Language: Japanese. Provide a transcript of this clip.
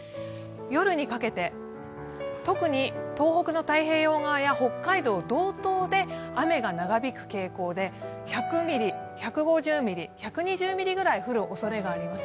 夜にかけて特に東北の太平洋側や北海道道東で雨が長引く傾向で、１００ミリ、１５０ミリ、１２０ミリぐらい降るおそれがあります。